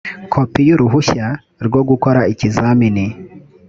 kopi y uruhushya rwo gukora ikizamini